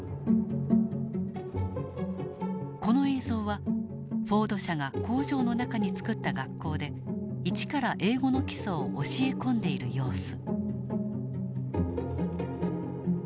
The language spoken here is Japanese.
この映像はフォード社が工場の中に作った学校で一から英語の基礎を教え込んでいる様子。